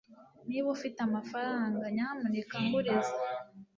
niba ufite amafaranga, nyamuneka nguriza